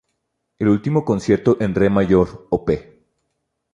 El último concierto, en re mayor, Op.